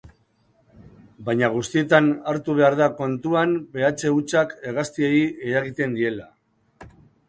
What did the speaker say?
Baina guztietan hartu behar da kontuan behatze hutsak hegaztiei eragiten diela.